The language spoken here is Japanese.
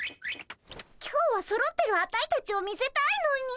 今日はそろってるアタイたちを見せたいのに。